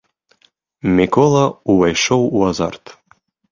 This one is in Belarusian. Мікола ўвайшоў у азарт.